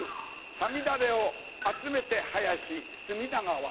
「五月雨を集めて早し隅田川」。